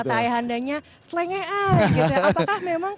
kalau kata ayahandanya selengeai gitu ya apakah memang